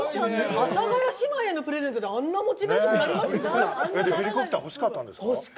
阿佐ヶ谷姉妹へのプレゼントであんなモチベーションになりますか？